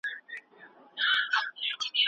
موږ باید د حقایقو سترګې پټې نه کړو.